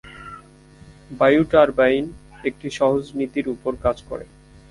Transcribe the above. বায়ু টারবাইন একটি সহজ নীতির উপর কাজ করে।